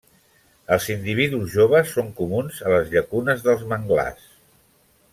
Els individus joves són comuns a les llacunes dels manglars.